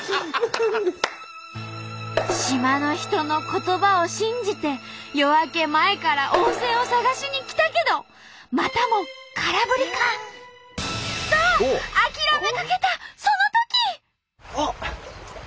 島の人の言葉を信じて夜明け前から温泉を探しに来たけどまたも空振りか？と諦めかけたそのとき！